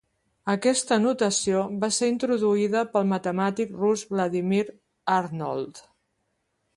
Aquesta notació va ser introduïda pel matemàtic rus Vladímir Arnold.